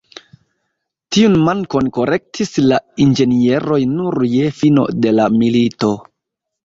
Tiun mankon korektis la inĝenieroj nur je fino de la milito.